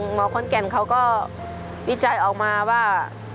หมอขอนแก่นเขาก็วิจัยออกมาว่า